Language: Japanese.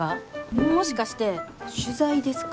もしかして取材ですか？